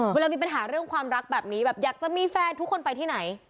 เวลามีปัญหาเรื่องความรักแบบนี้แบบอยากจะมีแฟนทุกคนไปที่ไหน